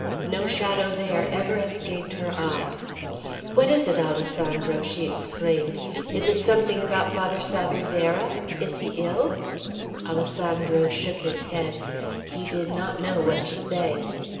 No shadow there ever escaped her eye. "What is it, Alessandro?" she exclaimed. "Is it something about Father Salvierderra? Is he ill?" Alessandro shook his head. He did not know what to say.